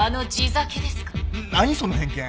何その偏見。